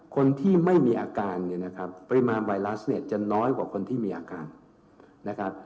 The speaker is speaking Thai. คนที่ไม่มีอาการเนี่ยนะครับปริมาณไวรัสเนี่ยจะน้อยกว่าคนที่มีอาการนะครับ